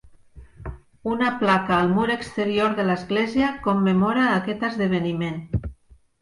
Una placa al mur exterior de l'església commemora aquest esdeveniment.